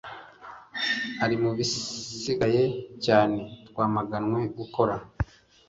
ari, mubisigaye cyane, twamaganwe gukora